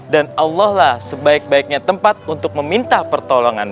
dan allah lah sebaik baiknya tempat untuk meminta pertolongan